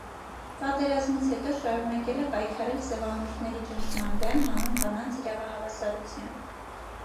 Պատերազմից հետո շարունակել է պայքարել սևամորթերի ճնշման դեմ, հանուն կանանց իրավահավասարության։